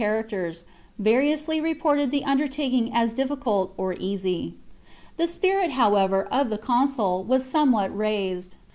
characters, variously reported the undertaking as difficult or easy. The spirit, however, of the consul was somewhat raised.